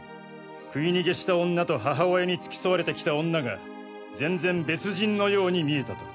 食い逃げした女と母親に付き添われてきた女が全然別人のように見えたと。